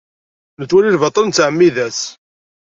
Nettwali lbaṭel, nettɛemmid-as.